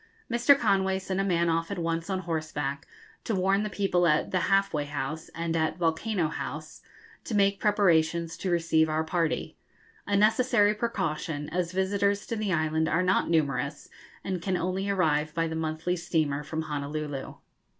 Mr. Conway sent a man off at once on horseback to warn the people at the 'Half way House' and at 'Volcano House' to make preparations to receive our party a necessary precaution, as visitors to the island are not numerous, and can only arrive by the monthly steamer from Honolulu.